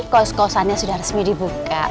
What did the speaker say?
kos kosannya sudah resmi dibuka